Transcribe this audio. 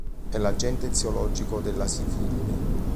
È l'agente eziologico della sifilide.